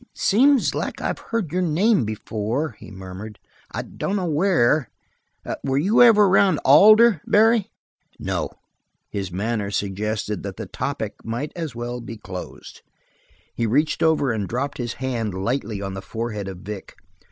"Seems like I've heard your name before," he murmured. "I dunno where. Were you ever around Alder, Barry?" "No." His manner suggested that the topic might as well be closed. He reached over and dropped his hand lightly on the forehead of Vic.